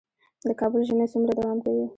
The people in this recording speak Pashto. د کابل ژمی څومره دوام کوي؟